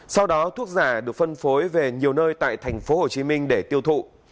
sau đó thuốc giả được phân phối về nhiều nơi tại tp hcm để tiêu thụ